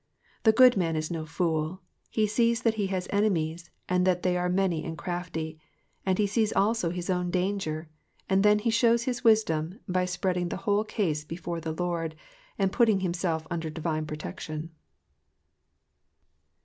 The good man is no fool, he sees that he has enemies, and that they are many and crafty ; he sees also his own danger, and then he shows his wisdom by spreading the whole case before the Lord, and putting himself under divine protection.